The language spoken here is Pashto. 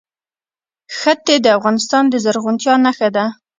ښتې د افغانستان د زرغونتیا نښه ده.